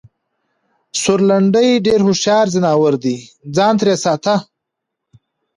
سورلنډی ډېر هوښیار ځناور دی٬ ځان ترې ساته!